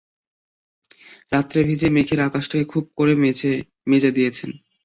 রাত্রের ভিজে মেঘে আকাশটাকে খুব করে মেজে দিয়েছে।